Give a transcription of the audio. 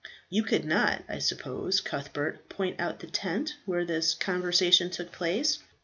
You could not, I suppose, Cuthbert, point out the tent where this conversation took place?"